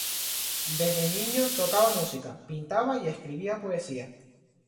Desde niño tocaba música, pintaba y escribía poesía.